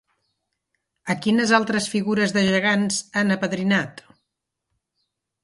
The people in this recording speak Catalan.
A quines altres figures de gegants han apadrinat?